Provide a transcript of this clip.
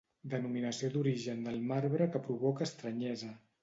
Denominació d'origen del marbre que provoca estranyesa.